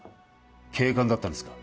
警官だったんですか？